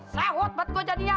sewot banget gue jadinya